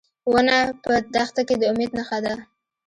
ونه په دښته کې د امید نښه ده.